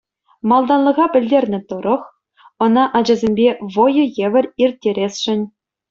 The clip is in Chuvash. Малтанлӑха пӗлтернӗ тӑрӑх, ӑна ачасемпе вӑйӑ евӗр ирттересшӗн.